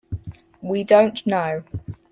We don't know.